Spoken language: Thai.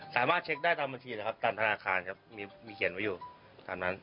สามารถเช็คได้ตามบัญชีนะครับตามธนาคารครับมีเขียนไว้อยู่ตามนั้น